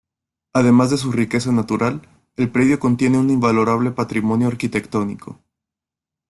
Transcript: Además de su riqueza natural, el predio contiene un invalorable patrimonio arquitectónico.